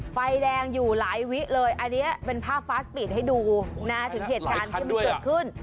ไฟแดงอยู่หลายวิเลยอันนี้เป็นภาพฟาสปีดให้ดูนะถึงเหตุการณ์ที่มันเกิดขึ้น